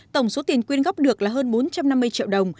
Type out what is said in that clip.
tổng số tiền quyên góp được là hơn bốn trăm năm mươi triệu đồng